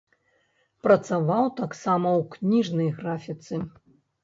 Працаваў таксама ў кніжнай графіцы.